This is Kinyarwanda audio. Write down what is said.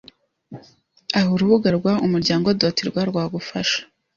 aha urubuga rwa umuryango.rw rwagufasha